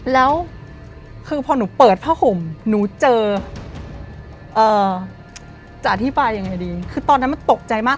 แล้วคือพอหนูเปิดผ้าห่มหนูเจอจะอธิบายยังไงดีคือตอนนั้นมันตกใจมาก